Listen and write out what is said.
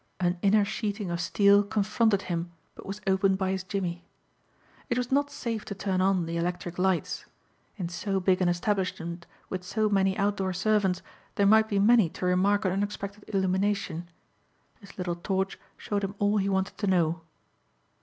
An inner sheeting of steel confronted him but was opened by his jimmy. It was not safe to turn on the electric lights. In so big an establishment with so many outdoor servants there might be many to remark an unexpected illumination. His little torch showed him all he wanted to know.